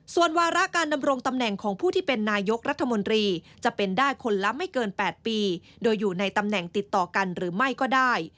ส่วนวาระการดำรงตำแหน่งของผู้ที่เป็นนายกรัฐมนตรีจะเป็นได้คนละไม่เกิน๘ปีโดยอยู่ในตำแหน่งติดต่อกันหรือไม่ก็ได้